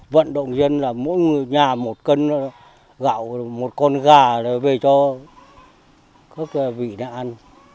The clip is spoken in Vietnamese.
vận động dân là mỗi nhà một cân gạo một con gà rồi về cho các vị đã ăn